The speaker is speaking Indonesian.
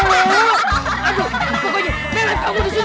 mehmet kamu disunat